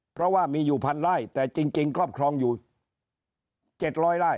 เพราะว่ามีอยู่พันล่ายแต่จริงก็ครองอยู่๗๐๐ล่าย